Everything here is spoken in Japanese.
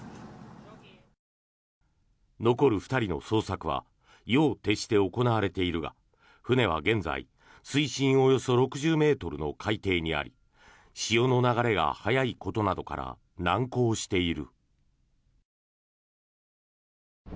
残る２人の捜索は夜を徹して行われているが船は現在水深およそ６０ｍの海底にあり潮の流れが速いことなどから難航している。